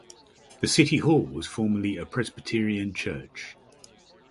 The City Hall was formerly a Presbyterian Church.